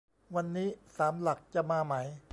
วันนี้ สามหลักจะมาไหม